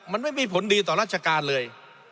มันไม่มีผลดีต่อราชการเลย